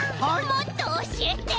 もっとおしえて！